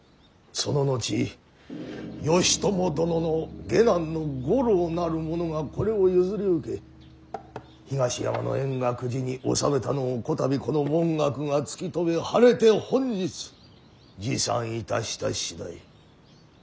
その後義朝殿の下男の五郎なる者がこれを譲り受け東山の円覚寺に納めたのをこたびこの文覚が突き止め晴れて本日持参いたした次第。